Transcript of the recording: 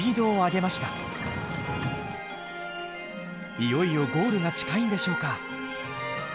いよいよゴールが近いんでしょうか？